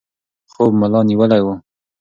خوب ملا نیولی و.